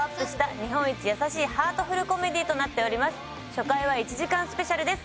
初回は１時間スペシャルです。